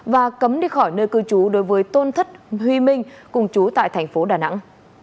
và cấm đi khỏi nơi cư trú đối với tôn thất huy minh cùng chú tại tp đà nẵng